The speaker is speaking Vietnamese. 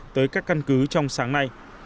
tới các căn cứ trong sáng nay